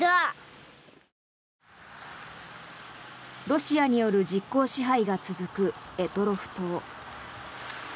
ロシアによる実効支配が続く択捉島。